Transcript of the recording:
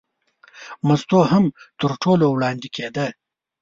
مستو هم تر ټولو وړاندې کېده.